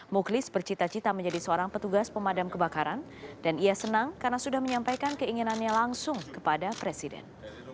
mukhlis bercita cita menjadi seorang petugas pemadam kebakaran dan ia senang karena sudah menyampaikan keinginannya langsung kepada presiden